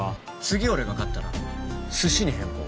次俺が勝ったら寿司に変更